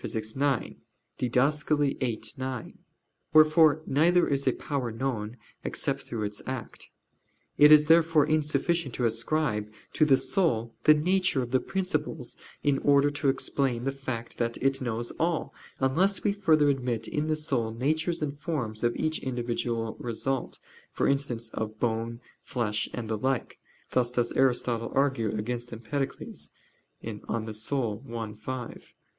_ ix (Did. viii, 9): wherefore neither is a power known except through its act. It is therefore insufficient to ascribe to the soul the nature of the principles in order to explain the fact that it knows all, unless we further admit in the soul natures and forms of each individual result, for instance, of bone, flesh, and the like; thus does Aristotle argue against Empedocles (De Anima i, 5).